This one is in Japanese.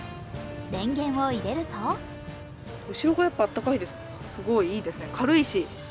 電源を入れると後ろが温かいです、すごいいいですね、軽いし。